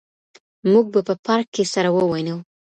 موږ به په پارک کي سره ووينو.